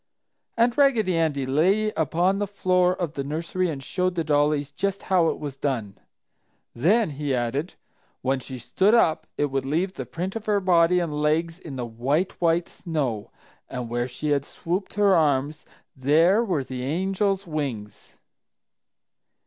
And Raggedy Andy lay upon the floor of the nursery and showed the dollies just how it was done. "Then," he added, "when she stood up it would leave the print of her body and legs in the white, white snow, and where she had swooped her arms there were the 'angel's wings!'"